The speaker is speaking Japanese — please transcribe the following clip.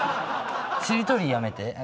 しりとりやめて。